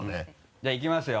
じゃあいきますよ？